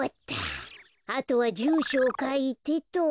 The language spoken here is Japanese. あとはじゅうしょをかいてと。